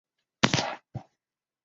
兽医是给动物治疗疾病的医生。